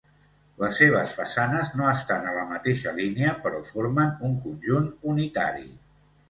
Les seves façanes no estan a la mateixa línia però formen un conjunt unitari.